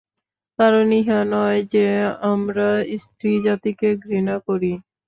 কারণ ইহা নয় যে, আমরা স্ত্রীজাতিকে ঘৃণা করি।